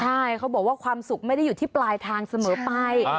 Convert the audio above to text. ใช่เขาบอกว่าความสุขไม่ได้อยู่ที่ปลายทางเสมอไป